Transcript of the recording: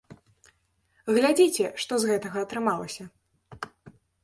Глядзіце, што з гэтага атрымалася.